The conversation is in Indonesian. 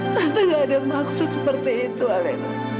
tante gak ada maksud seperti itu alena